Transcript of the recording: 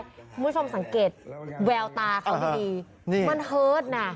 คุณผู้ชมสังเกตแววตาเขาดีมันเฮิร์ตน่ะ